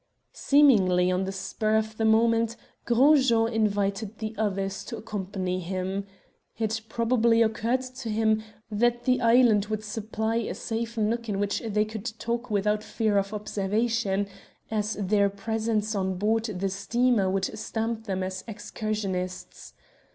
"Seemingly on the spur of the moment, Gros Jean invited the others to accompany him. It probably occurred to him that the island would supply a safe nook in which they could talk without fear of observation, as their presence on board the steamer would stamp them as excursionists.